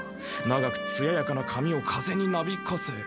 長くつややかなかみを風になびかせ。